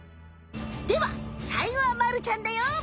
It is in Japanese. ではさいごはまるちゃんだよ。